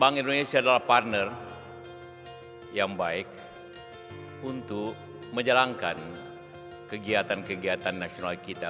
bank indonesia adalah partner yang baik untuk menjalankan kegiatan kegiatan nasional kita